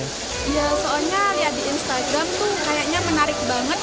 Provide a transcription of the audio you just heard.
ya soalnya ya di instagram tuh kayaknya menarik banget